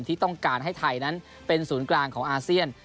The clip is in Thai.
ที่ต้องการให้ไทยนั้นเป็นศูนย์กลางของอาเซียน